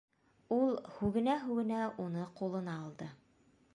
Ул һүгенә-һүгенә уны ҡулына алды.